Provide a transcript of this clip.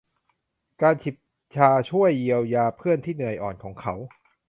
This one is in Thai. การจิบชาช่วยเยียวยาเพื่อนที่เหนื่อยอ่อนของเขา